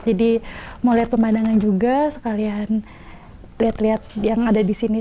jadi mau lihat pemandangan juga sekalian lihat lihat yang ada disini